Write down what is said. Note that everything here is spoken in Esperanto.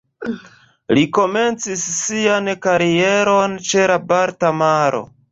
Li komencis sian karieron ĉe la Balta Maro.